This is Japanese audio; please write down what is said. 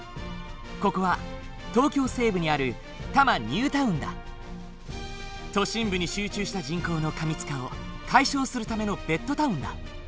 ここは東京西部にある都心部に集中した人口の過密化を解消するためのベッドタウンだ。